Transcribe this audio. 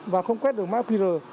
và không quét được mạng qr